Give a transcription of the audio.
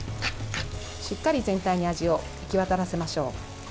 しっかり全体に味を行き渡らせましょう。